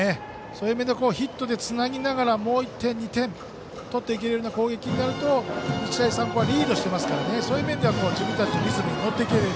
そういう意味ではヒットでつなぎながらもう１点や２点取っていけるような攻撃になると日大三高はリードしてますから自分たちのリズムに乗っていける。